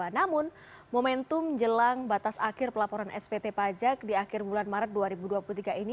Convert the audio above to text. namun momentum jelang batas akhir pelaporan spt pajak di akhir bulan maret dua ribu dua puluh tiga ini